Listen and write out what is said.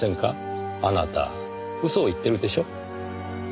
あなた嘘を言ってるでしょ？